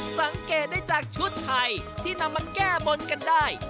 สังเกตได้จากชุดไทยที่นำมาแก้บนกันได้